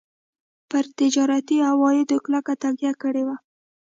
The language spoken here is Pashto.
پر تجارتي عوایدو کلکه تکیه کړې وه.